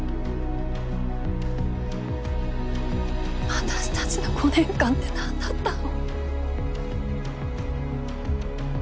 私たちの５年間って何だったの？